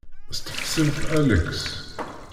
Steqsimt Alex.